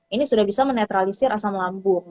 ini sudah bisa menetralisir asam lambung